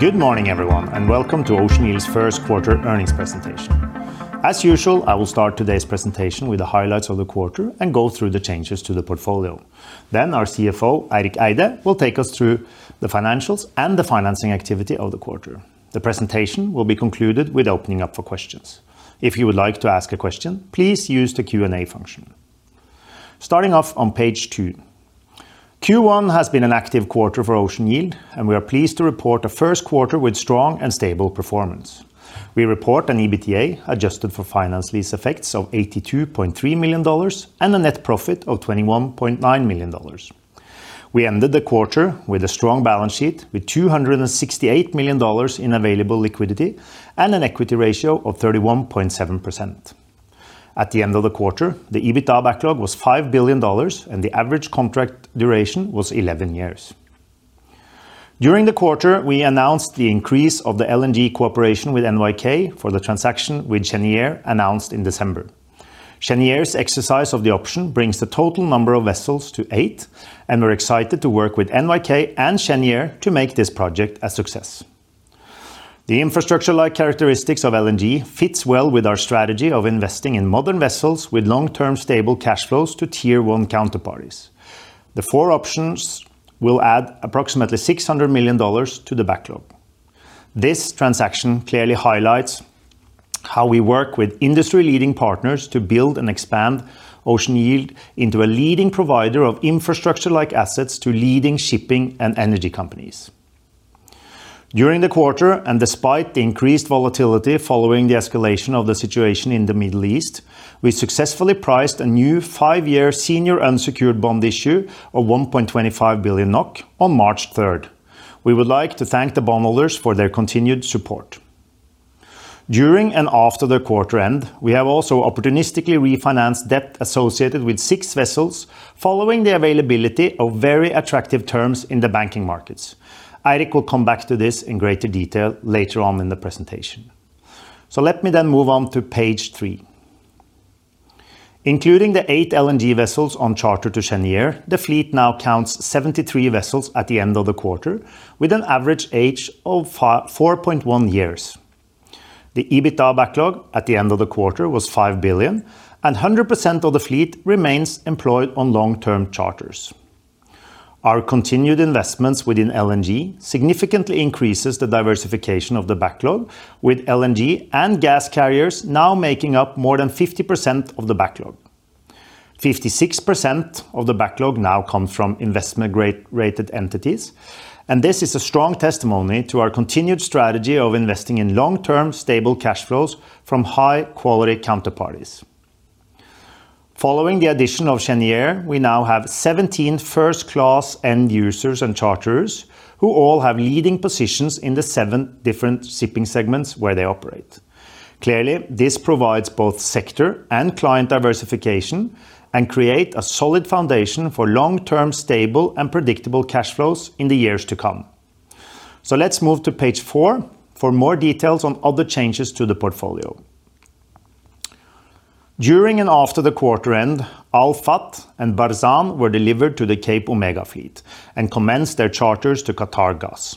Good morning everyone, welcome to Ocean Yield's first quarter earnings presentation. As usual, I will start today's presentation with the highlights of the quarter and go through the changes to the portfolio. Our CFO, Eirik Eide, will take us through the financials and the financing activity of the quarter. The presentation will be concluded with opening up for questions. If you would like to ask a question, please use the Q&A function. Starting off on page two. Q1 has been an active quarter for Ocean Yield, and we are pleased to report a first quarter with strong and stable performance. We report an EBITDA adjusted for finance lease effects of $82.3 million and a net profit of $21.9 million. We ended the quarter with a strong balance sheet with $268 million in available liquidity and an equity ratio of 31.7%. At the end of the quarter, the EBITDA backlog was $5 billion and the average contract duration was 11 years. During the quarter, we announced the increase of the LNG cooperation with NYK for the transaction with Cheniere announced in December. Cheniere's exercise of the option brings the total number of vessels to 8, and we're excited to work with NYK and Cheniere to make this project a success. The infrastructure-like characteristics of LNG fits well with our strategy of investing in modern vessels with long-term stable cash flows to tier one counterparties. The four options will add approximately $600 million to the backlog. This transaction clearly highlights how we work with industry leading partners to build and expand Ocean Yield into a leading provider of infrastructure like assets to leading shipping and energy companies. During the quarter, and despite the increased volatility following the escalation of the situation in the Middle East, we successfully priced a new five-year senior unsecured bond issue of 1.25 billion NOK on March 3rd. We would like to thank the bondholders for their continued support. During and after the quarter end, we have also opportunistically refinanced debt associated with six vessels following the availability of very attractive terms in the banking markets. Eirik will come back to this in greater detail later on in the presentation. Let me then move on to page three. Including the eight LNG vessels on charter to Cheniere, the fleet now counts 73 vessels at the end of the quarter with an average age of 4.1 years. The EBITDA backlog at the end of the quarter was $5 billion and 100% of the fleet remains employed on long-term charters. Our continued investments within LNG significantly increases the diversification of the backlog, with LNG and gas carriers now making up more than 50% of the backlog. 56% of the backlog now comes from investment grade, rated entities, and this is a strong testimony to our continued strategy of investing in long-term stable cash flows from high quality counterparties. Following the addition of Cheniere, we now have 17 first-class end users and charterers who all have leading positions in the seven different shipping segments where they operate. Clearly, this provides both sector and client diversification and create a solid foundation for long-term stable and predictable cash flows in the years to come. Let's move to page four for more details on other changes to the portfolio. During and after the quarter end, Al Fat'h and Barzan were delivered to the Cape Omega fleet and commenced their charters to Qatargas.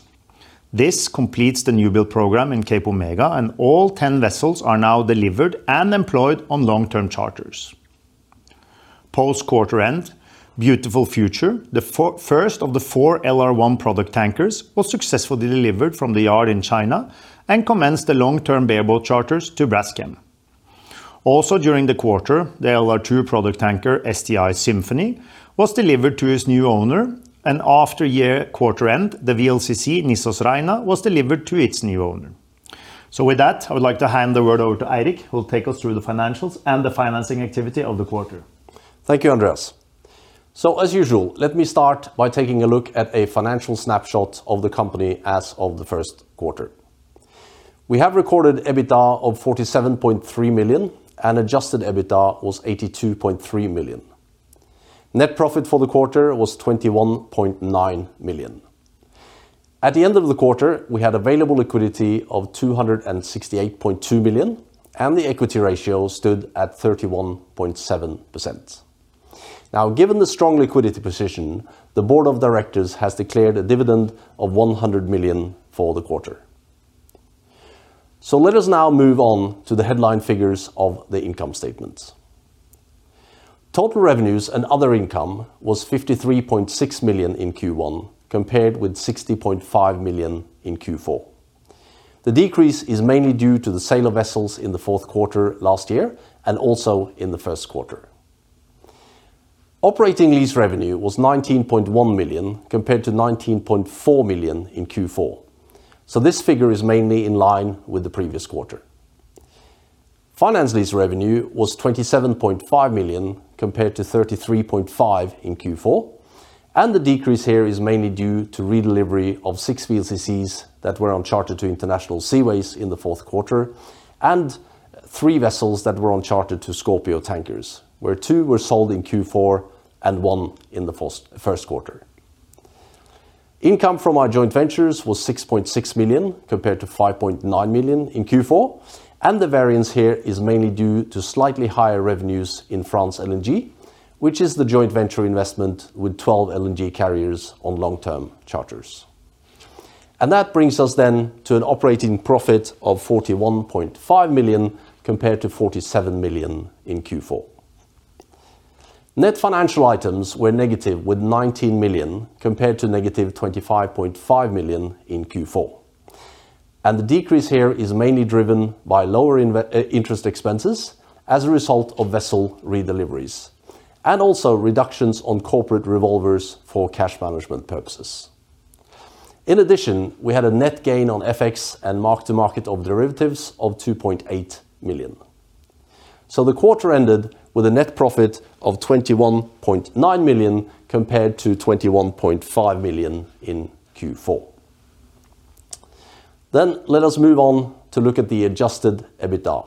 This completes the new build program in Cape Omega, and all 10 vessels are now delivered and employed on long-term charters. Post quarter end, Beautiful Future, the first of the four LR1 product tankers, was successfully delivered from the yard in China and commenced the long-term bareboat charters to Braskem. Also during the quarter, the LR2 product tanker, STI Symphony, was delivered to its new owner, and after year quarter end, the VLCC, Nissos Rhenia, was delivered to its new owner. With that, I would like to hand the word over to Eirik, who will take us through the financials and the financing activity of the quarter. Thank you, Andreas. As usual, let me start by taking a look at a financial snapshot of the company as of the first quarter. We have recorded EBITDA of $47.3 million and adjusted EBITDA was $82.3 million. Net profit for the quarter was $21.9 million. At the end of the quarter, we had available liquidity of $268.2 million, and the equity ratio stood at 31.7%. Given the strong liquidity position, the board of directors has declared a dividend of $100 million for the quarter. Let us now move on to the headline figures of the income statement. Total revenues and other income was $53.6 million in Q1, compared with $60.5 million in Q4. The decrease is mainly due to the sale of vessels in the fourth quarter last year and also in the first quarter. Operating lease revenue was $19.1 million compared to $19.4 million in Q4. This figure is mainly in line with the previous quarter. Finance lease revenue was $27.5 million compared to $33.5 million in Q4, the decrease here is mainly due to redelivery of six VLCCs that were on charter to International Seaways in the fourth quarter and three vessels that were on charter to Scorpio Tankers, where two were sold in Q4 and one in the first quarter. Income from our joint ventures was $6.6 million, compared to $5.9 million in Q4, and the variance here is mainly due to slightly higher revenues in France LNG. Which is the joint venture investment with 12 LNG carriers on long-term charters. That brings us then to an operating profit of $41.5 million compared to $47 million in Q4. Net financial items were negative with $19 million compared to -$25.5 million in Q4. The decrease here is mainly driven by lower interest expenses as a result of vessel re-deliveries, and also reductions on corporate revolvers for cash management purposes. In addition, we had a net gain on FX and mark-to-market of derivatives of $2.8 million. The quarter ended with a net profit of $21.9 million compared to $21.5 million in Q4. Let us move on to look at the adjusted EBITDA,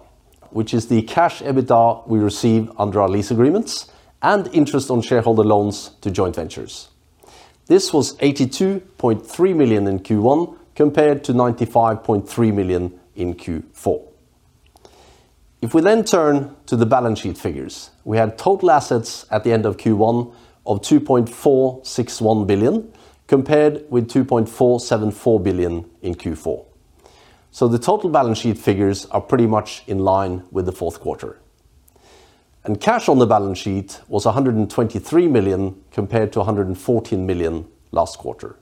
which is the cash EBITDA we receive under our lease agreements and interest on shareholder loans to joint ventures. This was $82.3 million in Q1 compared to $95.3 million in Q4. If we then turn to the balance sheet figures, we had total assets at the end of Q1 of $2.461 billion compared with $2.474 billion in Q4. The total balance sheet figures are pretty much in line with the fourth quarter. Cash on the balance sheet was $123 million compared to $114 million last quarter.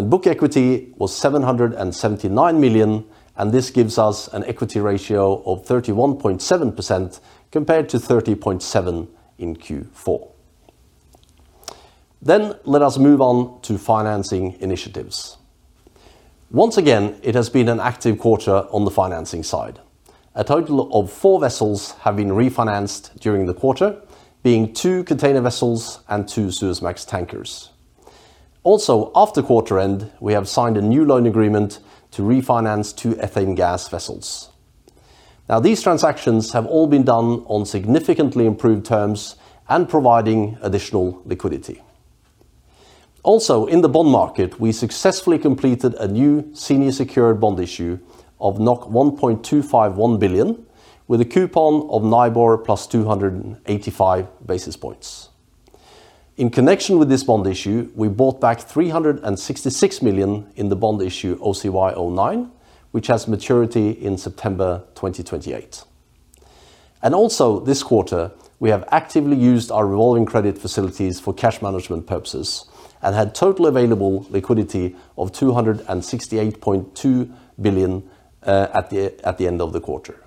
Book equity was $779 million, and this gives us an equity ratio of 31.7% compared to 30.7% in Q4. Let us move on to financing initiatives. Once again, it has been an active quarter on the financing side. A total of four vessels have been refinanced during the quarter, being two container vessels and two Suezmax tankers. After quarter end, we have signed a new loan agreement to refinance two ethane gas vessels. These transactions have all been done on significantly improved terms and providing additional liquidity. In the bond market, we successfully completed a new senior secured bond issue of 1.251 billion with a coupon of NIBOR plus 285 basis points. In connection with this bond issue, we bought back 366 million in the bond issue OCY09, which has maturity in September 2028. Also this quarter, we have actively used our revolving credit facilities for cash management purposes and had total available liquidity of 268.2 billion at the end of the quarter.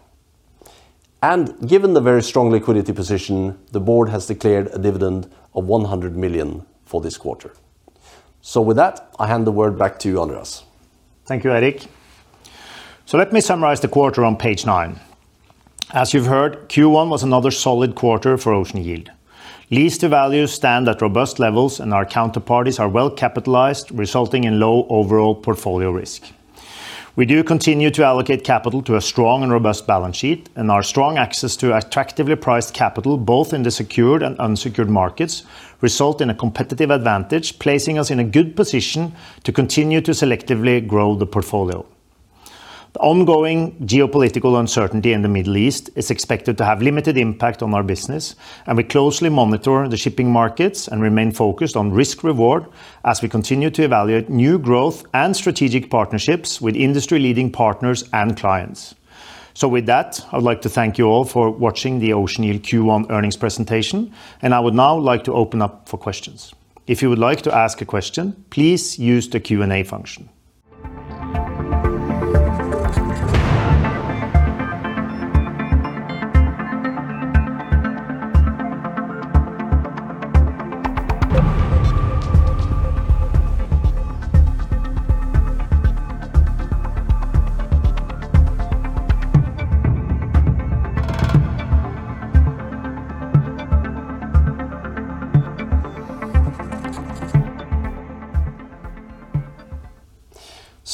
Given the very strong liquidity position, the board has declared a dividend of $100 million for this quarter. With that, I hand the word back to you, Andreas. Thank you, Eirik. Let me summarize the quarter on page nine. As you've heard, Q1 was another solid quarter for Ocean Yield. Lease to values stand at robust levels, and our counterparties are well-capitalized, resulting in low overall portfolio risk. We do continue to allocate capital to a strong and robust balance sheet, and our strong access to attractively priced capital, both in the secured and unsecured markets, result in a competitive advantage, placing us in a good position to continue to selectively grow the portfolio. The ongoing geopolitical uncertainty in the Middle East is expected to have limited impact on our business, and we closely monitor the shipping markets and remain focused on risk reward as we continue to evaluate new growth and strategic partnerships with industry-leading partners and clients. With that, I would like to thank you all for watching the Ocean Yield Q1 earnings presentation, and I would now like to open up for questions. If you would like to ask a question, please use the Q&A function.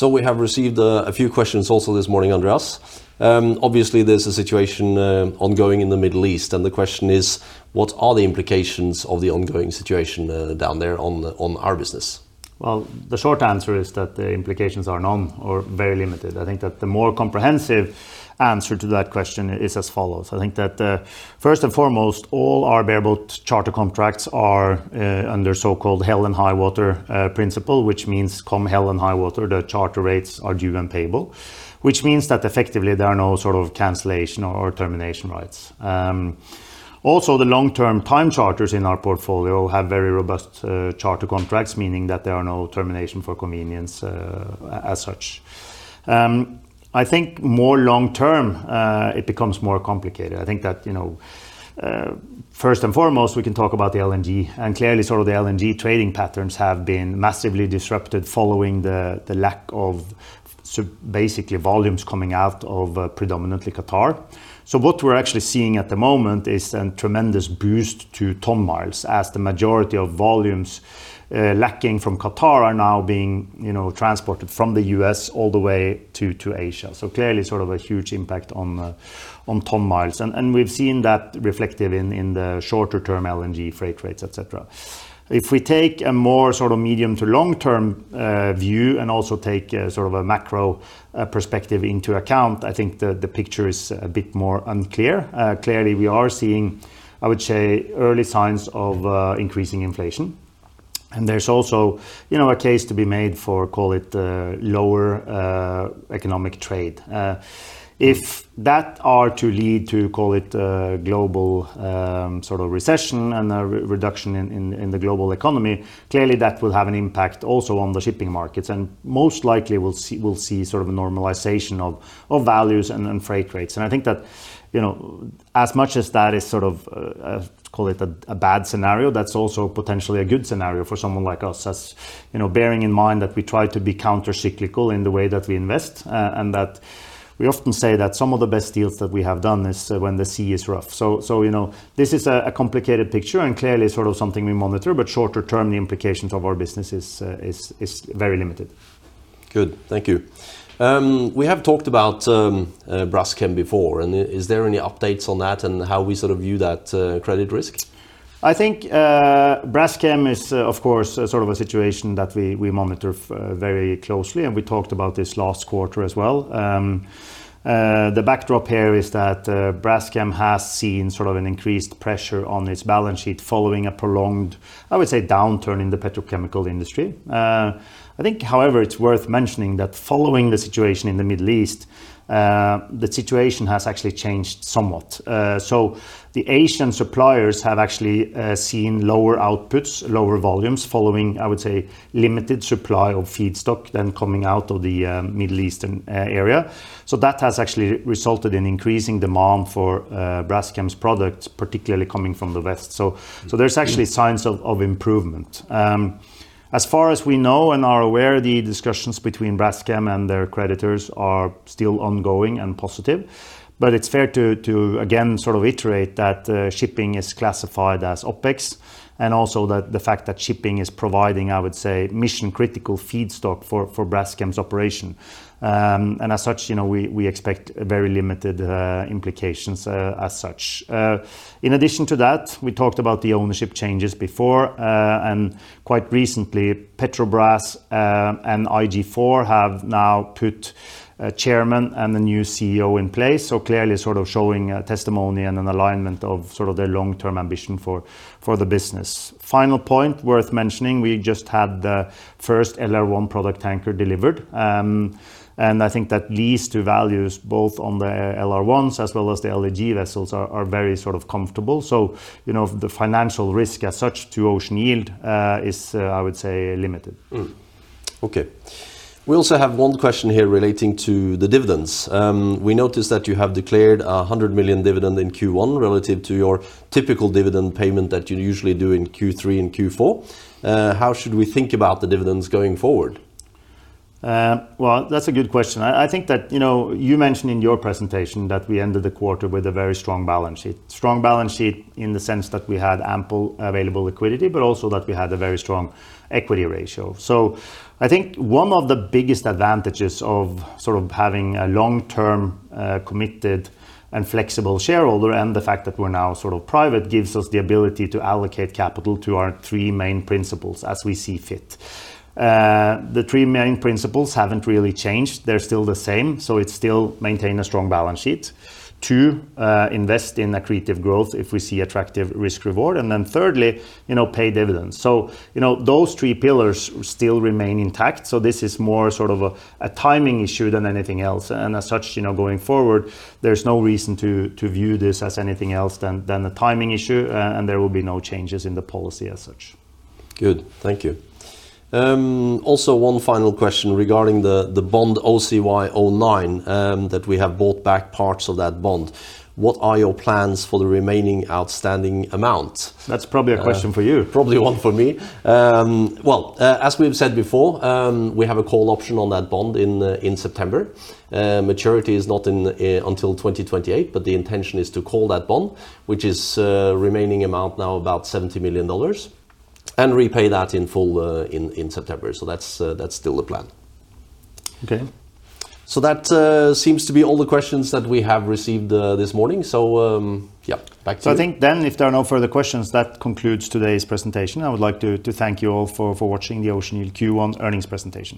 We have received a few questions also this morning, Andreas. Obviously, there's a situation ongoing in the Middle East, the question is, what are the implications of the ongoing situation down there on our business? Well, the short answer is that the implications are none or very limited. I think that the more comprehensive answer to that question is as follows. I think that, first and foremost, all our bareboat charter contracts are under so-called hell and high water principle, which means come hell or high water, the charter rates are due and payable. Which means that effectively there are no sort of cancellation or termination rights. Also the long-term time charters in our portfolio have very robust charter contracts, meaning that there are no termination for convenience as such. I think more long term, it becomes more complicated. I think that, you know, first and foremost, we can talk about the LNG. Clearly, sort of the LNG trading patterns have been massively disrupted following the lack of basically volumes coming out of predominantly Qatar. What we're actually seeing at the moment is a tremendous boost to ton-miles as the majority of volumes lacking from Qatar are now being, you know, transported from the U.S. all the way to Asia. Clearly sort of a huge impact on ton-miles. We've seen that reflective in the shorter term LNG freight rates, et cetera. If we take a more sort of medium to long-term view and also take sort of a macro perspective into account, I think the picture is a bit more unclear. Clearly, we are seeing, I would say, early signs of increasing inflation. There's also, you know, a case to be made for call it, lower economic trade. If that are to lead to call it a global, sort of recession and a reduction in the global economy, clearly that will have an impact also on the shipping markets, and most likely we'll see sort of a normalization of values and freight rates. I think that, you know, as much as that is sort of, call it a bad scenario, that's also potentially a good scenario for someone like us as, you know, bearing in mind that we try to be counter-cyclical in the way that we invest. That we often say that some of the best deals that we have done is when the sea is rough. You know, this is a complicated picture, and clearly sort of something we monitor, but shorter term the implications of our business is very limited. Good. Thank you. We have talked about Braskem before, and is there any updates on that and how we sort of view that credit risk? I think Braskem is, of course, a sort of a situation that we monitor very closely. We talked about this last quarter as well. The backdrop here is that Braskem has seen sort of an increased pressure on its balance sheet following a prolonged, I would say, downturn in the petrochemical industry. I think, however, it's worth mentioning that following the situation in the Middle East, the situation has actually changed somewhat. The Asian suppliers have actually seen lower outputs, lower volumes following, I would say, limited supply of feedstock then coming out of the Middle Eastern area. That has actually resulted in increasing demand for Braskem's products, particularly coming from the West. There's actually signs of improvement. As far as we know and are aware, the discussions between Braskem and their creditors are still ongoing and positive. It's fair to, again, sort of iterate that shipping is classified as OpEx, and also that the fact that shipping is providing, I would say, mission-critical feedstock for Braskem's operation. As such, you know, we expect very limited implications as such. In addition to that, we talked about the ownership changes before, and quite recently Petrobras and IG4 have now put a chairman and a new CEO in place, so clearly sort of showing a testimony and an alignment of sort of their long-term ambition for the business. Final point worth mentioning, we just had the first LR1 product tanker delivered. I think that lease to values both on the LR1s as well as the LEG vessels are very sort of comfortable. You know, the financial risk as such to Ocean Yield, is I would say, limited. Okay. We also have one question here relating to the dividends. We notice that you have declared $100 million dividend in Q1 relative to your typical dividend payment that you usually do in Q3 and Q4. How should we think about the dividends going forward? Well, that's a good question. I think that, you know, you mentioned in your presentation that we ended the quarter with a very strong balance sheet. Strong balance sheet in the sense that we had ample available liquidity, but also that we had a very strong equity ratio. I think one of the biggest advantages of sort of having a long-term, committed and flexible shareholder, and the fact that we're now sort of private, gives us the ability to allocate capital to our three main principles as we see fit. The three main principles haven't really changed. They're still the same, it's still maintain a strong balance sheet. Two, invest in accretive growth if we see attractive risk reward, thirdly, you know, pay dividends. You know, those three pillars still remain intact, so this is more sort of a timing issue than anything else. As such, you know, going forward there's no reason to view this as anything else than a timing issue. There will be no changes in the policy as such. Good. Thank you. One final question regarding the bond OCY09 that we have bought back parts of that bond. What are your plans for the remaining outstanding amount? That's probably a question for you. Probably one for me. Well, as we have said before, we have a call option on that bond in September. Maturity is not until 2028, but the intention is to call that bond, which is remaining amount now about $70 million, and repay that in full in September. That's still the plan. Okay. That seems to be all the questions that we have received this morning. Yeah, back to you. I think if there are no further questions, that concludes today's presentation. I would like to thank you all for watching the Ocean Yield Q1 earnings presentation.